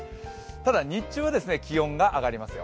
ただ日中は気温が上がりますよ。